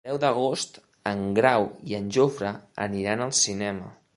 El deu d'agost en Grau i en Jofre aniran al cinema.